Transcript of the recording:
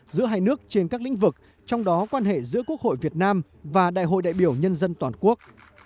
giữa hai nước trên các lĩnh vực trong đó quan hệ giữa quốc hội việt nam và đại hội đại biểu nhân dân toàn quốc